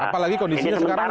apalagi kondisinya sekarang